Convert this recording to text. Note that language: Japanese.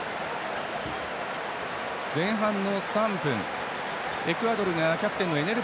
前半の３分エクアドルがキャプテンのエネル